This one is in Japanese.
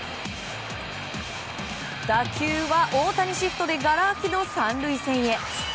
打球は大谷シフトでがら空きの３塁線へ。